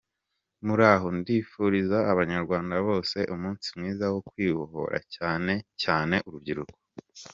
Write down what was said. Muraho, ndifuriza abanyarwanda bose umunsi mwiza wo kwibohora cyane cyane urubyiruko.